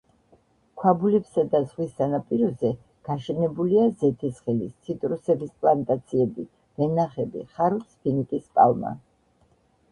ქვაბულებსა და ზღვის სანაპიროზე გაშენებულია ზეთისხილის, ციტრუსების პლანტაციები, ვენახები, ხარობს ფინიკის პალმა.